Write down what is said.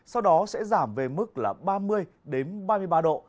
sau đó sẽ giảm về mức là ba mươi ba mươi ba độ